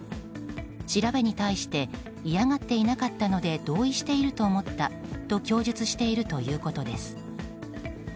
調べに対して嫌がっていなかったので同意していると思ったと供述しているということです。